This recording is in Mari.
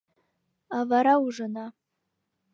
А вара ужына.